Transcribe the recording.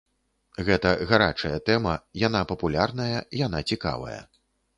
Гэта гарачая тэма, яна папулярная, яна цікавая.